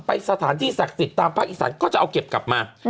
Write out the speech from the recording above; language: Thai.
ไปสถานที่ศักดิ์ศิษย์ตามภารกิจศาสตร์ก็จะเอาเก็บกลับมา